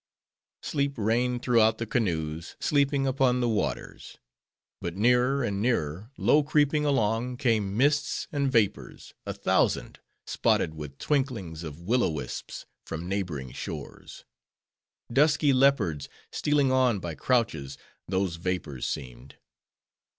Sleep reigned throughout the canoes, sleeping upon the waters. But nearer and nearer, low creeping along, came mists and vapors, a thousand; spotted with twinklings of Will o Wisps from neighboring shores. Dusky leopards, stealing on by crouches, those vapors seemed.